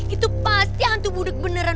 itu pasti hantu budeg beneran